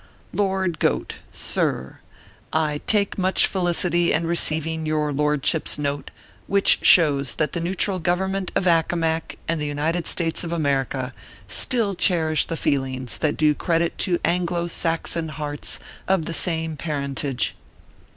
LORD GOAT SIR : I take much felicity in receiv ing your lordship s note, which shows that the neutral Government of Accomac and the United States of America still cherish the feelings that do credit to Anglo Saxon hearts of the same parentage.